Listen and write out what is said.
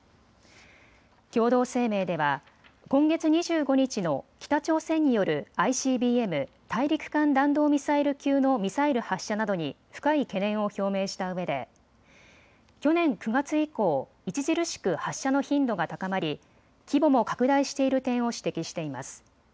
共同声明では今月２５日の北朝鮮によるＩＣＢＭ・大陸間弾道ミサイル級のミサイル発射などに深い懸念を表明したうえで去年９月以降、著しく発射の頻度が高まり規模も拡大している点を指摘しています。